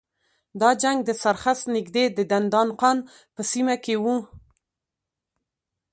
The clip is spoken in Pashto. دا جنګ د سرخس نږدې د دندان قان په سیمه کې و.